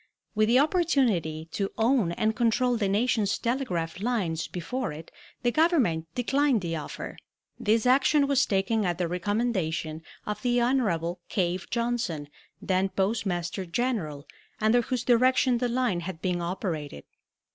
With the opportunity to own and control the nation's telegraph lines before it the Government declined the offer. This action was taken at the recommendation of the Hon. Cave Johnson, then Postmaster General, under whose direction the line had been operated.